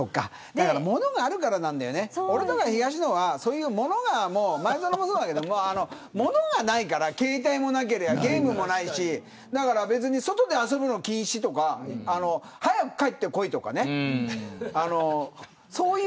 だから物があるからなんだよね俺とか東野は前園もそうだけどそういう物がないから携帯もなけりゃゲームもないし外で遊ぶの禁止とか早く帰ってこいとかね。